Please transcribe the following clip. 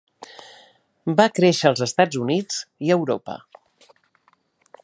Va créixer als Estats Units i Europa.